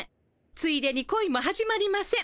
ついでに恋も始まりません。